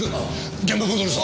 現場戻るぞ。